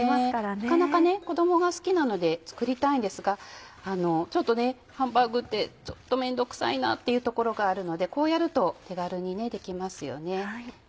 なかなかね子供が好きなので作りたいんですがハンバーグってちょっと面倒くさいなっていうところがあるのでこうやると手軽にできますよね。